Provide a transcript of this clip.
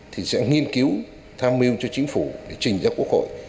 thì sẽ nghiên cứu tham mưu cho chính phủ để trình ra quốc hội